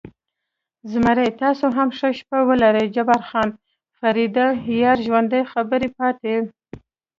زمري: تاسې هم ښه شپه ولرئ، جبار خان: فرېډه، یار ژوندی، خبرې پاتې.